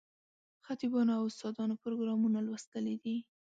خطیبانو او استادانو پروګرامونه لوستلي دي.